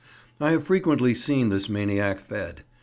I have frequently seen this maniac fed.